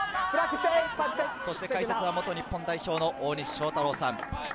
解説は元日本代表の大西将太郎さん。